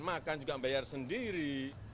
makan juga membayar sendiri